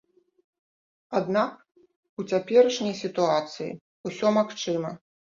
Аднак у цяперашняй сітуацыі ўсё магчыма.